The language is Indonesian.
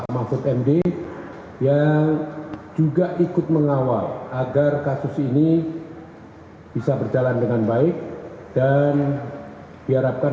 mahfud md yang juga ikut mengawal agar kasus ini bisa berjalan dengan baik dan diharapkan